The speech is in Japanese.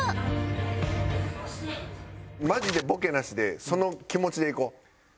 マジでボケなしでその気持ちでいこう。